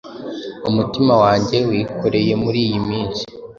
umutima wange wikoreye muri iyi minsi!